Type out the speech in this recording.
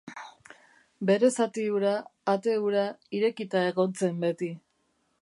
Bere zati hura, ate hura, irekita egon zen beti.